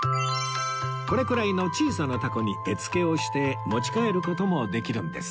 これくらいの小さな凧に絵付けをして持ち帰る事もできるんです